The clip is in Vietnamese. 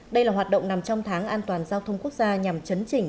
đây là hoạt động nằm trong tháng an toàn giao thông quốc gia nhằm chấn chỉnh